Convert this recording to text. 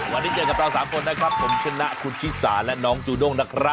วันนี้เจอกับเรา๓คนนะครับผมชนะคุณชิสาและน้องจูด้งนะครับ